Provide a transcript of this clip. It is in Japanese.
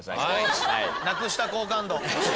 なくした好感度。